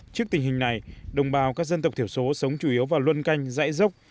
trước tình hình này đồng bào các dân tộc thiểu số sống chủ yếu vào luân canh dãy dốc